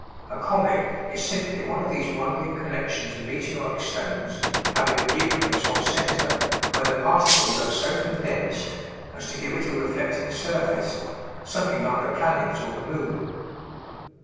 A comet is simply one of these wandering collections of meteoric stones having a nucleus or center where the particles are so condensed as to give it a reflecting surface something like the planets or the moon.